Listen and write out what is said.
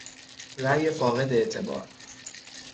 رای فاقد اعتبار